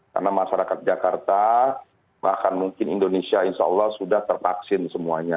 karena masyarakat jakarta bahkan mungkin indonesia insya allah sudah terpaksin semuanya